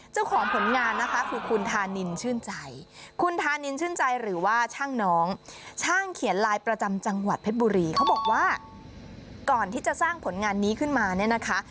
เจ้าของผลงานนะคะคือคุณธานินชื่นใจคุณธานินชื่นใจหรือว่าช่างน้องช่างเขียนลายประจำจังหวัดเพชรบุรีเขาบอกว่าก่อนที่จะสร้างผลงานนี้ขึ้นมาเนี่ยนะคะ